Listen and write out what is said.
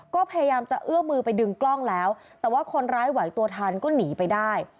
ก็พยายามจะเอื้อมือไปดึงกล้องแล้วแต่ว่าคนร้ายไหวตัวทันก็หนีไปได้